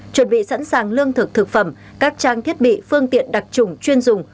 chuẩn bị sẵn sàng lương thực thực phẩm các trang thiết bị phương tiện đặc trùng chuyên dùng